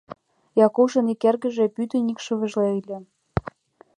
Якушын ик эргыже — пӱтынь икшывыже ыле.